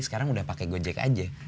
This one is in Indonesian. sekarang sudah pakai gojek saja